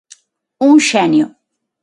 Un xenio.